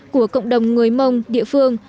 của cộng đồng người mông địa phương